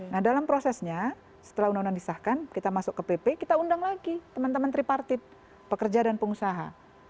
nah dalam prosesnya setelah undang undang disahkan kita masuk ke pp kita undang lagi teman teman tripartit pekerja dan pengusaha